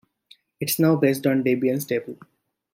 It's now based on Debian Stable.